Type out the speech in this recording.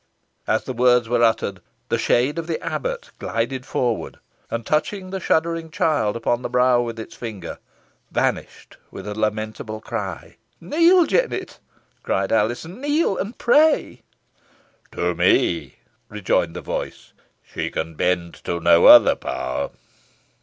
As the words were uttered, the shade of the abbot glided forwards, and, touching the shuddering child upon the brow with its finger, vanished with a lamentable cry. "Kneel, Jennet," cried Alizon; "kneel, and pray!" "To me," rejoined the voice; "she can bend to no other power.